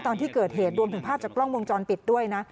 ตอนที่เกิดเหตุรวมถึงภาพจากกล้องวงจรปิดด้วยนะ